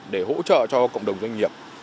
để hỗ trợ cho cộng đồng doanh nghiệp